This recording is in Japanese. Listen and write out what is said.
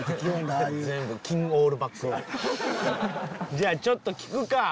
じゃあちょっと聞くか。